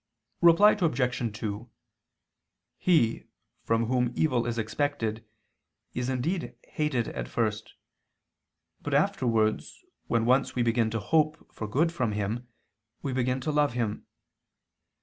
Reply Obj. 2: He, from whom evil is expected, is indeed hated at first; but afterwards, when once we begin to hope for good from him, we begin to love him.